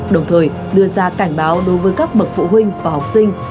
đồng thời đưa ra cảnh báo đối với các bậc phụ huynh và học sinh